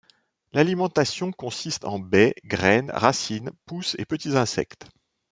L’alimentation consiste en baies, graines, racines, pousses et petits insectes.